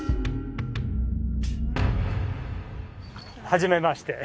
はじめまして。